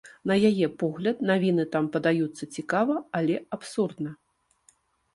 На яе погляд, навіны там падаюцца цікава, але абсурдна.